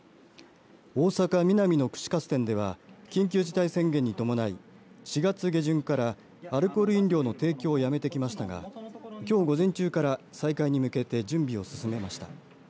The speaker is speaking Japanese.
大阪、ミナミの串カツ店では緊急事態宣言に伴い４月下旬からアルコール飲料の提供をやめてきましたがきょう午前中から再開に向けて準備を進めました。